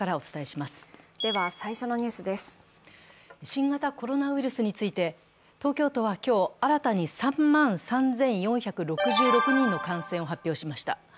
新型コロナウイルスについて東京都は今日新たに３万３４６６人の感染を発表しました。